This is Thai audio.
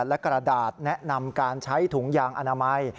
และกระดาษแนะนำการใช้ถุงยางอนามัย